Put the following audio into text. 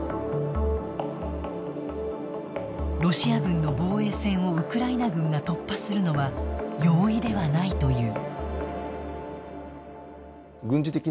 ロシア軍の防衛線をウクライナ軍が突破するのは容易ではないという。